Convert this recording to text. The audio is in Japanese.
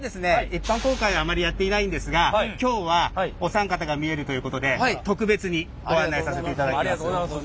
一般公開はあまりやっていないんですが今日はお三方が見えるということで特別にご案内させていただきます。